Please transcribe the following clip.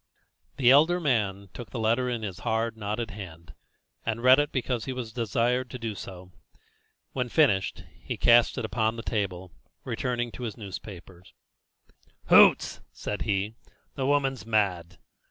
The elder man took the letter in his hard, knotted hand, and read it because he was desired to do so. When finished, he cast it upon the table, returning to his newspaper. "Hoots!" said he; "the woman's mad!"